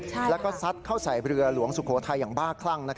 แล้วก็ซัดเข้าใส่เรือหลวงสุโขทัยอย่างบ้าคลั่ง